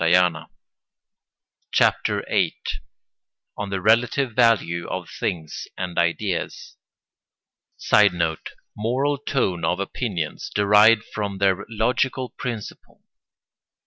] CHAPTER VIII—ON THE RELATIVE VALUE OF THINGS AND IDEAS [Sidenote: Moral tone of opinions derived from their logical principle.